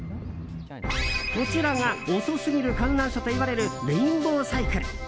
こちらが遅すぎる観覧車といわれるレインボーサイクル。